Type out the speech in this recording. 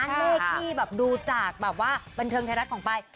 เลขที่ดูจากบันเทิงไทยรัฐของไป